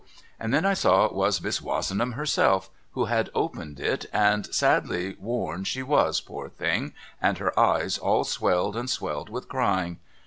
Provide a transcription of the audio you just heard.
And then I saw it was Miss Wozenham herself who had opened it and sadly worn she was poor thing and her eyes all swelled and swelled with crying.